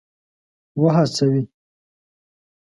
وهڅوي.